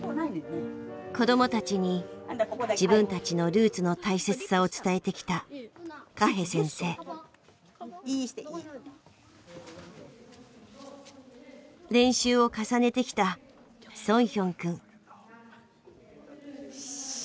子どもたちに自分たちのルーツの大切さを伝えてきた練習を重ねてきたしっ！